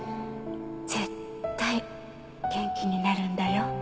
絶対元気になるんだよ